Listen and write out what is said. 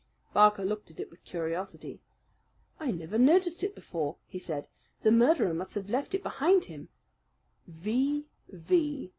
Barker looked at it with curiosity. "I never noticed it before," he said. "The murderer must have left it behind him." "V.